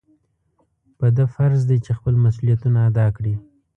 په ده فرض دی چې خپل مسؤلیتونه ادا کړي.